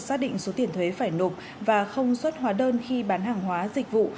xác định số tiền thuế phải nộp và không xuất hóa đơn khi bán hàng hóa dịch vụ